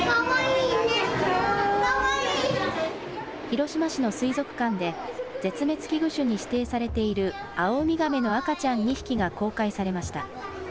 広島市の水族館で、絶滅危惧種に指定されているアオウミガメの赤ちゃん２匹が公開されました。